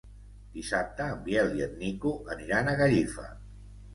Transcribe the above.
Dissabte en Biel i en Nico aniran a Gallifa.